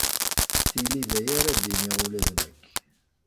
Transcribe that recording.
Tili d aya ara d-iniɣ ula d nekk.